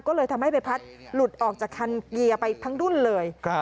ก็เลยทำให้ใบพัดหลุดออกจากคันเกียร์ไปทั้งดุ้นเลย